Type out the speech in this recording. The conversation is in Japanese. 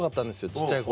小っちゃい頃。